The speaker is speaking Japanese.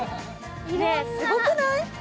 ねぇすごくない？